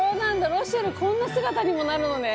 ロシェルこんな姿にもなるのね。